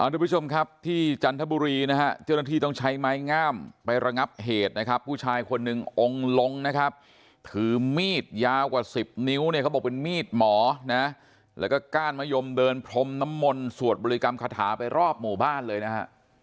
ทุกผู้ชมครับที่จันทบุรีนะฮะเจ้าหน้าที่ต้องใช้ไม้งามไประงับเหตุนะครับผู้ชายคนหนึ่งองค์ลงนะครับถือมีดยาวกว่าสิบนิ้วเนี่ยเขาบอกเป็นมีดหมอนะแล้วก็ก้านมะยมเดินพรมน้ำมนต์สวดบริกรรมคาถาไปรอบหมู่บ้านเลยนะฮะ